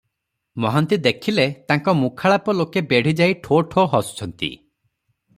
ମହାନ୍ତି ଦେଖିଲେ, ତାଙ୍କ ମୁଖାଳାପ ଲୋକେ ବେଢିଯାଇ ଠୋ ଠୋ ହସୁଛନ୍ତି ।